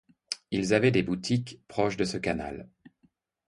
Ils avaient des boutiques proche de ce canal.